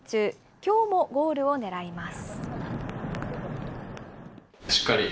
きょうもゴールを狙います。